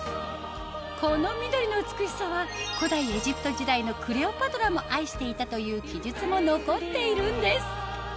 この緑の美しさは古代エジプト時代のクレオパトラも愛していたという記述も残っているんです